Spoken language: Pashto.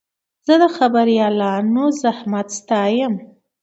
زه د خبریالانو زحمت ستایم.